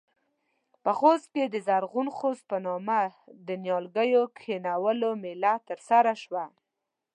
په خوست کې د زرغون خوست په نامه د نيالګيو کښېنولو مېلمه ترسره شوه.